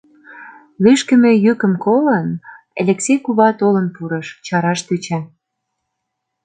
Лӱшкымӧ йӱкым колын, Элексей кува толын пурыш, чараш тӧча.